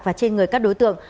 và trên người các đối tượng